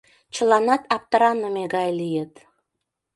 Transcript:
Чыланат аптыраныме гай лийыт.